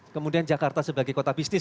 kemudian jakarta sebagai kota bisnis